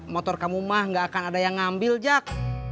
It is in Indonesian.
motor kamu mah gak akan ada yang ngambil jak